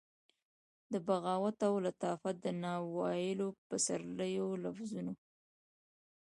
د بغاوت او لطافت د ناویلو پسرلیو د لفظونو،